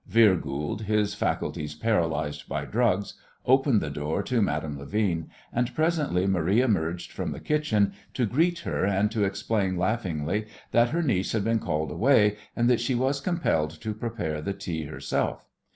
Vere Goold, his faculties paralysed by drugs, opened the door to Madame Levin, and presently Marie emerged from the kitchen to greet her and to explain laughingly that her niece had been called away, and that she was compelled to prepare the tea herself.